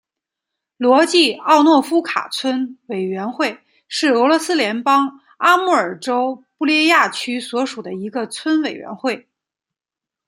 罗季奥诺夫卡村委员会是俄罗斯联邦阿穆尔州布列亚区所属的一个村委员会。